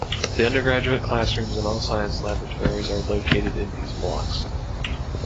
The undergraduate classrooms and all science laboratories are located in these blocks.